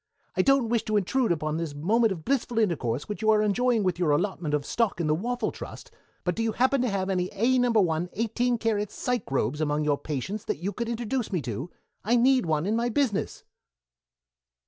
"I don't wish to intrude upon this moment of blissful intercourse which you are enjoying with your allotment of stock in the Waffle Trust, but do you happen to have any A No. 1 eighteen karat psychrobes among your patients that you could introduce me to? I need one in my business."